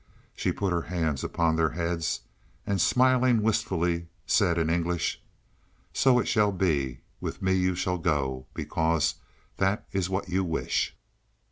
She put her hands upon their heads and smiling wistfully, said in English: "So it shall be; with me you shall go, because that is what you wish."